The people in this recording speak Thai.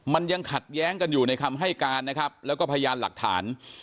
มันยังขัดแย้งกันอยู่ในคำให้การนะครับแล้วก็พยานหลักฐาน